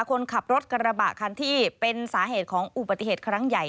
คนขับรถกระบะคันที่เป็นสาเหตุของอุบัติเหตุครั้งใหญ่